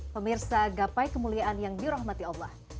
pemirsa gapai kemuliaan yang dirahmati allah